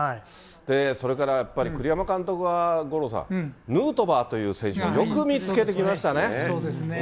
それからやっぱり、栗山監督は五郎さん、ヌートバーという選そうですね。